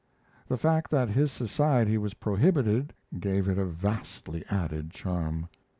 The fact that his society was prohibited gave it a vastly added charm.